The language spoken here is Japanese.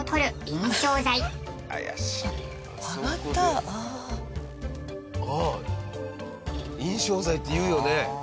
印象材っていうよね。